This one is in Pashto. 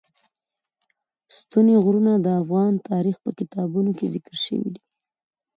ستوني غرونه د افغان تاریخ په کتابونو کې ذکر شوی دي.